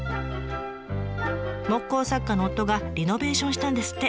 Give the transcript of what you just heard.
木工作家の夫がリノベーションしたんですって。